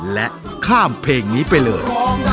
และข้ามเพลงนี้ไปเลย